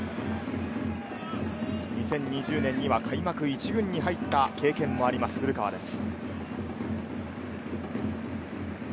２０２０年には開幕１軍に入った経験もあります、古川です。